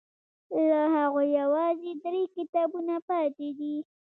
له هغوی یوازې درې کتابونه پاتې دي.